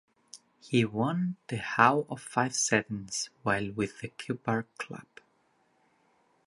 He won the Howe of Fife Sevens while with the Cupar club.